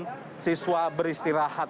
sebagian siswa beristirahat